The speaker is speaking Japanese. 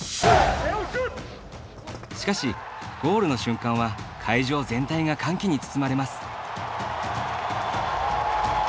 しかし、ゴールの瞬間は会場全体が歓喜に包まれます。